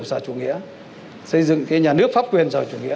xây dựng cái nhà nước pháp quyền